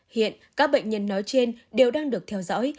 hiện các bệnh nhân nói trên đều đang được theo dõi